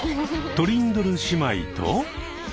トリンドル姉妹と。